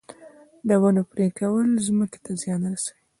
د ونو پرې کول ځمکې ته زیان رسوي